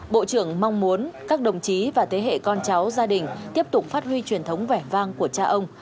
bộ trưởng mong muốn các đồng chí và thế hệ con cháu gia đình tiếp tục phát huy truyền thống vẻ vang của cha ông